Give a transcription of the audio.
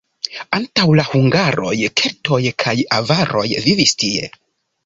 Antaŭ la hungaroj keltoj kaj avaroj vivis tie.